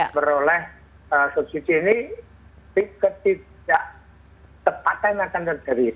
meroleh subsidi ini ketidak tepatan akan terjadi